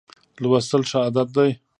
لوستل ښه عادت دی.